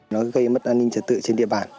nó gây mất an ninh trật tự trên địa bàn